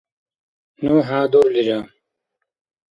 Ну хӀядурлира.